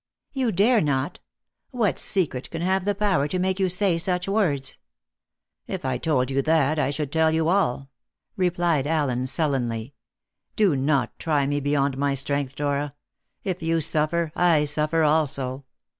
"You dare not? What secret can have the power to make you say such words?" "If I told you that, I should tell you all," replied Allen sullenly. "Do not try me beyond my strength, Dora. If you suffer, I suffer also.